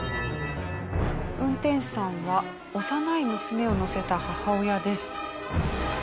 運転手さんは幼い娘を乗せた母親です。